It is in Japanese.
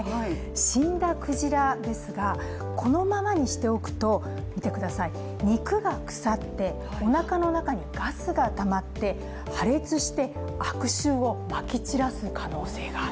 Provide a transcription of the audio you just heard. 死んだクジラですが、このままにしておくと肉が腐って、おなかの中にガスがたまって破裂して悪臭をまき散らす可能性がある。